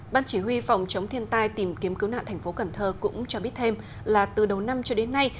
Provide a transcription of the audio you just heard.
ban chỉ huy phòng chống thiên tai tìm kiếm cứu nạn thành phố cần thơ cũng cho biết thêm là từ đầu năm cho đến nay